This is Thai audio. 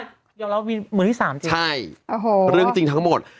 เดี๋ยวเราวินมือที่๓จริงใช่เรื่องจริงทั้งหมด